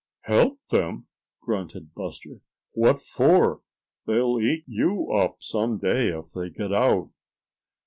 "Help them?" grunted Buster. "What for? They'll eat you up some day if they get out."